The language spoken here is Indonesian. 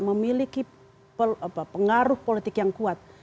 memiliki pengaruh politik yang kuat